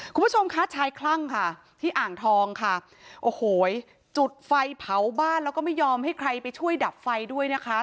คุณผู้ชมคะชายคลั่งค่ะที่อ่างทองค่ะโอ้โหจุดไฟเผาบ้านแล้วก็ไม่ยอมให้ใครไปช่วยดับไฟด้วยนะคะ